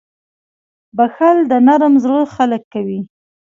• بښل د نرم زړه خلک کوي.